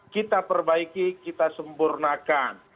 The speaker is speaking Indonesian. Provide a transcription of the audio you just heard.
kita perbaiki kita sempurnakan